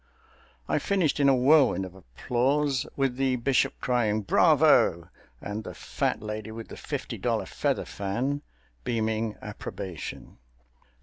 I finished in a whirlwind of applause, with the bishop crying "Bravo!" and the fat lady with the fifty dollar feather fan beaming approbation.